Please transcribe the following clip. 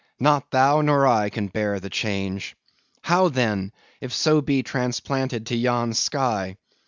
—not thou nor I can bear the change! How then, if so be transplanted to yon sky?